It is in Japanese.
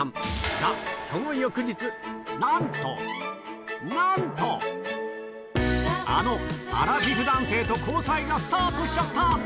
が、その翌日、なんと、なんと、あのアラフィフ男性と交際がスタートしちゃった。